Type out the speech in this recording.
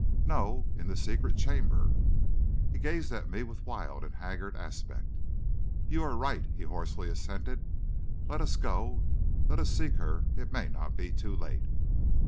"No; in the secret chamber." He gazed at me with wild and haggard aspect. "You are right," he hoarsely assented. "Let us go; let us seek her; it may not be too late."